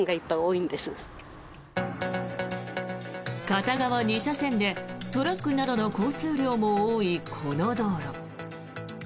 片側２車線でトラックなどの交通量も多いこの道路。